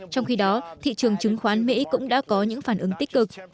trong khi đó thị trường chứng khoán mỹ cũng đã có những phản ứng tích cực